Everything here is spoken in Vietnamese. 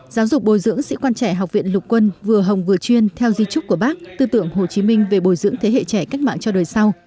giáo dục bồi dưỡng sĩ quan trẻ học viện lục quân vừa hồng vừa chuyên theo di trúc của bác tư tưởng hồ chí minh về bồi dưỡng thế hệ trẻ cách mạng cho đời sau